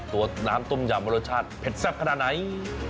ตัวน้ำต้มยำรสชาติเผ็ดแซ่บขนาดไหน